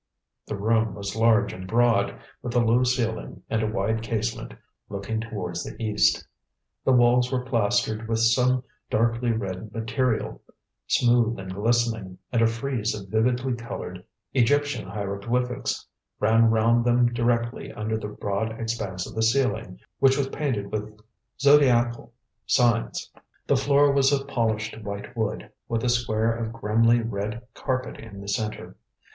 The room was large and broad, with a low ceiling, and a wide casement looking towards the east. The walls were plastered with some darkly red material, smooth and glistening, and a frieze of vividly coloured Egyptian hieroglyphics ran round them directly under the broad expanse of the ceiling, which was painted with zodiacal signs. The floor was of polished white wood, with a square of grimly red carpet in the centre.